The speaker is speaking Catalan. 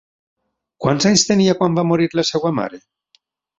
Quants anys tenia quan va morir la seva mare?